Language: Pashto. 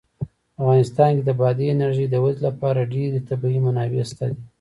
په افغانستان کې د بادي انرژي د ودې لپاره ډېرې طبیعي منابع شته دي.